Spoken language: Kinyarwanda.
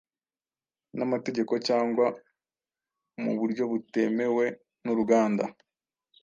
namategeko cyangwa mu buryo butemewe n’uruganda,